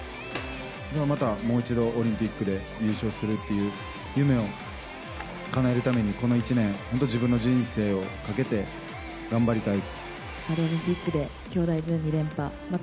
またもう一度オリンピックで優勝するっていう夢をかなえるために、この１年本当自分の人生をかけて頑張りたい。